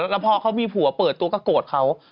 แล้วพอเขามีผัวเปิดตัวก็โกรธเขา